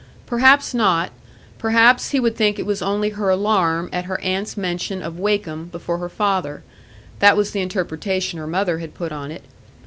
Perhaps not; perhaps he would think it was only her alarm at her aunt's mention of Wakem before her father; that was the interpretation her mother had put on it.